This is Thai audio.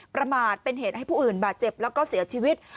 ประมาทเป็นเหตุให้ผู้อื่นบาดเจ็บแล้วก็เสียชีวิต